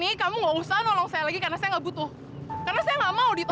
eh mobil lu tuh butut